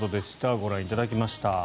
ご覧いただきました。